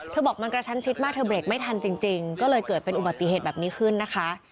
บอกมันกระชั้นชิดมากเธอเบรกไม่ทันจริงก็เลยเกิดเป็นอุบัติเหตุแบบนี้ขึ้นนะคะ